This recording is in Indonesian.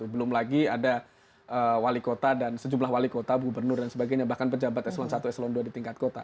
belum lagi ada wali kuota dan sejumlah wali kuota gubernur dan sebagainya bahkan pejabat s sebelas s dua belas di tingkat kuota